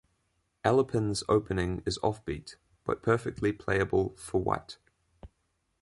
Alapin's Opening is offbeat, but perfectly playable for White.